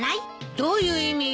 どういう意味よ。